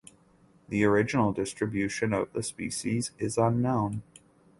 The original distribution of the species is unknown.